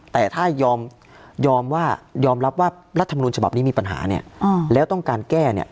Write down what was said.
แต่ถ้ายอมว่ายอมรับว่ารัฐมนุนฉบับนี้มีปัญหาเนี่ยแล้วต้องการแก้เนี่ย